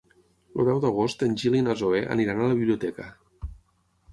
El deu d'agost en Gil i na Zoè aniran a la biblioteca.